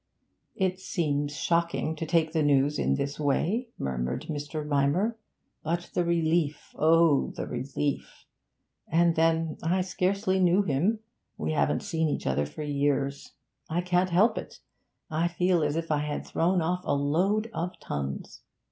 'It seems shocking to take the news in this way,' murmured Mr. Rymer; 'but the relief; oh, the relief! And then, I scarcely knew him; we haven't seen each other for years. I can't help it! I feel as if I had thrown off a load of tons!